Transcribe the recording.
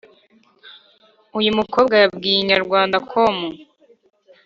uyu mukobwa yabwiye inyarwandacom